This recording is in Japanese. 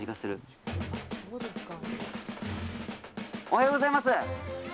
おはようございます。